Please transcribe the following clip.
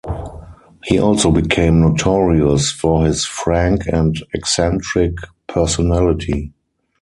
He also became notorious for his frank and eccentric personality.